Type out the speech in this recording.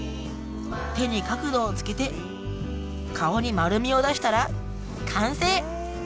手に角度をつけて顔に丸みを出したら完成！